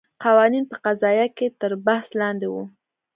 قوانین په قضایه قوه کې تر بحث لاندې وو.